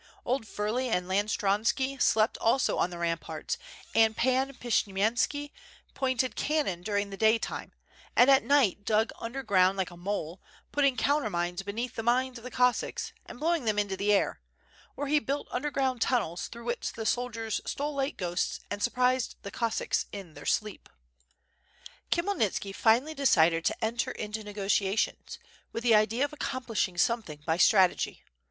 Old Firley and Lantskronski slept also on the ramparts, and Pan Pshiyemski pointed can non during the day time, and at night dug under ground like a mole, putting countermines beneath the mines of the Cossacks and blowing them into the air; or he built under ground tunnels through which the soldiers stole like ghosts and surprised the Cossacks in their sleep. Khmyelnitski finally decided to enter into negotiations, with the idea of accomplishing something by strategy.